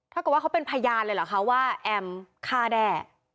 ถ้าเกิดว่าเขาเป็นพยานเลยเหรอคะว่าแอมฆ่าแด้